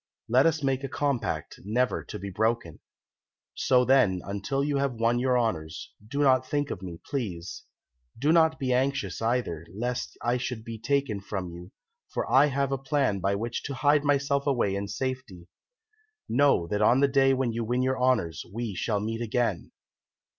Let us make a compact never to be broken. So then, until you have won your honours, do not think of me, please. Do not be anxious, either, lest I should be taken from you, for I have a plan by which to hide myself away in safety. Know that on the day when you win your honours we shall meet again.'